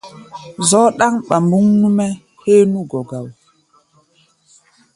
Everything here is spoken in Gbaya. Zɔ́k ɗáŋ ɓambuŋ nú-mɛ́ héé nú gɔ̧ gá wó.